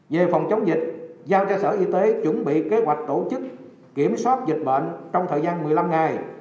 về phòng chống dịch giao sở y tế chuẩn bị kế hoạch tổ chức kiểm soát dịch bệnh trong thời gian một mươi năm ngày